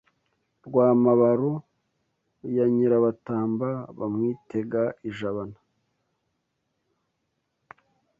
Rwa Mabaro ya Nyirabatamba Bamwitega i Jabana